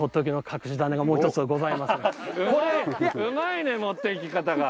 うまいね持っていき方が！